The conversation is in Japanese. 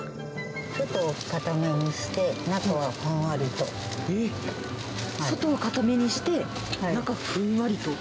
外を硬めにして、中はふんわ外を硬めにして、中ふんわりと？